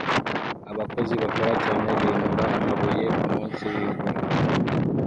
Abakozi bakora cyane bimura amabuye kumunsi wimvura